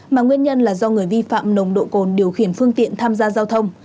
mà nguyên nhân là do người vi phạm nồng độ cồn điều khiển phương tiện tham gia giao thông